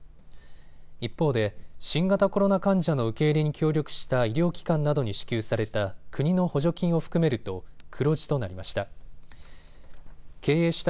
一方で新型コロナ患者の受け入れに協力した医療機関などに支給された国の補助金を含めると黒字となりました。